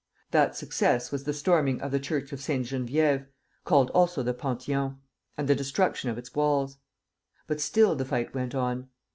That success was the storming of the church of Sainte Geneviève (called also the Panthéon) and the destruction of its walls. But still the fight went on.